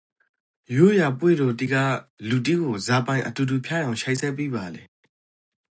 ရိုးရာပွဲတော်တိကလူတိကိုဇာပိုင်အတူတူဖြစ်အောင်ချိတ်ဆက်ပီးပါလေ။